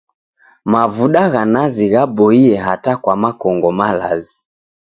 Mavuda gha nazi ghaboie hata kwa makongo malazi.